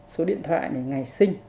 số điện thoại này ngày sinh